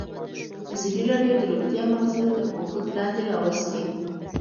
ازادي راډیو د روغتیا موضوع تر پوښښ لاندې راوستې.